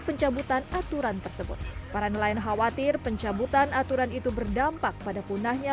pencabutan aturan tersebut para nelayan khawatir pencabutan aturan itu berdampak pada punahnya